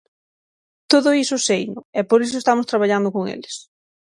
Todo iso seino, e por iso estamos traballando con eles.